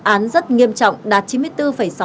án rất nghiêm trọng đạt chín mươi bốn sáu mươi một